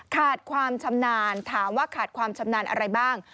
ขาดความชำนาญถามว่าขาดความชำนาญอะไรบ้าง